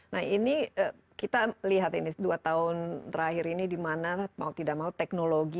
nah ini kita lihat ini dua tahun terakhir ini dimana mau tidak mau teknologi